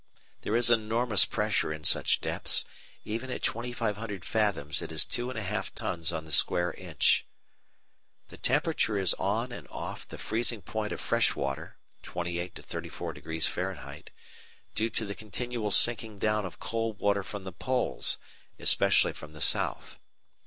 There is enormous pressure in such depths; even at 2,500 fathoms it is two and a half tons on the square inch. The temperature is on and off the freezing point of fresh water (28° 34° Fahr.), due to the continual sinking down of cold water from the Poles, especially from the South.